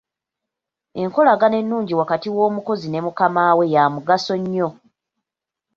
Enkolagana ennungi wakati w'omukozi ne mukamaawe ya mugaso nnyo.